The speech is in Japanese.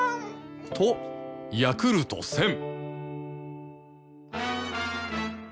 ヤクルト１０００